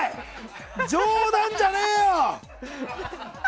冗談じゃねえよ！